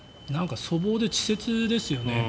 粗暴で稚拙ですよね。